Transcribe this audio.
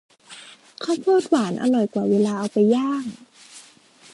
ข้าวโพดหวานอร่อยกว่าเวลาเอาไปย่าง